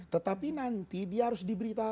tetapi nanti dia harus diberitahu